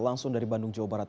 langsung dari bandung jawa barat